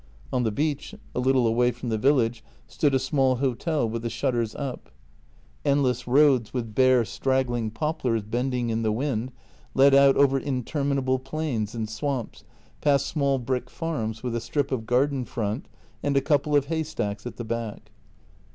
On the beach, a little away from the village, stood a small hotel with the shutters up. Endless roads, with bare, straggling poplars bending in the wind, led out over intermina ble plains and swamps past small brick farms with a strip of garden front and a couple of haystacks at the back.